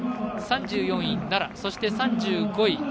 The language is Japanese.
３４位奈良、３５位